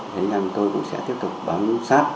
hình như tôi cũng sẽ tiếp tục bám sát